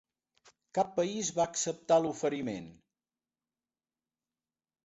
Cap país va acceptar l'oferiment.